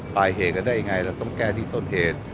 ไปเหตุกันได้ยังไงเราต้องแก้ที่ต้นเหตุ